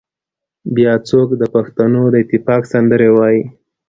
بيا څوک د پښتنو د اتفاق سندرې وايي